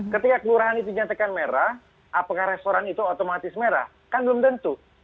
ketika kelurahan itu dinyatakan merah apakah restoran itu otomatis merah kan belum tentu